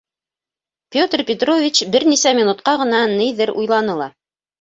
Петр Петрович бер нисә минутҡа ғына ниҙер уйланы ла: